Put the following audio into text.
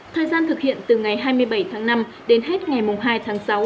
thời gian thực hiện từ ngày hai mươi bảy tháng năm đến hết ngày hai tháng sáu